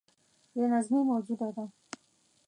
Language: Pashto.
بې نظمي موجوده ده.